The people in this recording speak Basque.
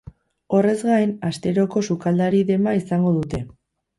Horrez gain, asteroko sukaldari dema izango dute.